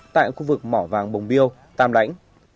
tại khu vực mỏ vàng bồng biêu tàm lãnh